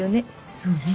そうね。